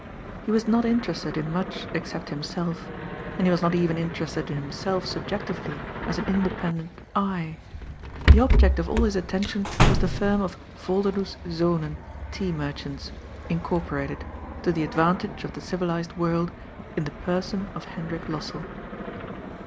He was not interested in much except himself, and he was not even interested in himself subjectively, as an independent " I." The object of all his attention was the firm of " Volderdoes Zonen, tea merchants," incorporated, to the advantage of the civilized world, in the person of Hendrik Lossell.